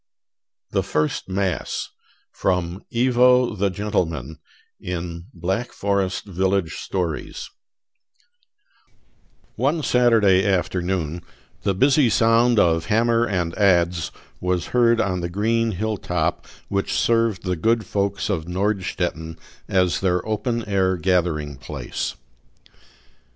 THE FIRST MASS From "Ivo the Gentleman," in "Black Forest Village Stories" One Saturday afternoon the busy sound of hammer and adze was heard on the green hill top which served the good folks of Nordstetten as their open air gathering place.